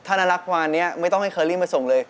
ถ้าน่ารักประมาณนี้ไม่ต้องให้เคอรี่มาส่งเลย